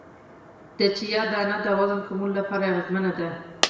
د چیا دانه د وزن کمولو لپاره اغیزمنه ده